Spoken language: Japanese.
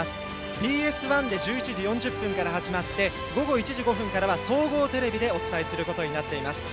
ＢＳ１で１１時４０分から始まって午後１時５分からは総合テレビでお伝えすることになっています。